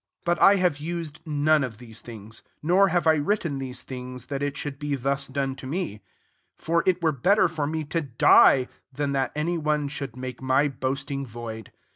15 But I have used none of these things. Nor have I writ ten these things, that it should t>e thus done to me : for it were better for me to die, than that my one should make my boast ing void.